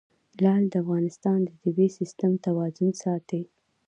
لعل د افغانستان د طبعي سیسټم توازن ساتي.